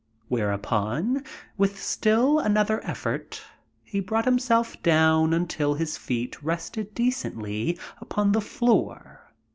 Whereupon, with still another effort, he brought himself down until his feet rested decently upon the floor.